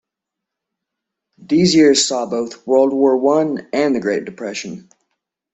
These years saw both World War One and the Great Depression.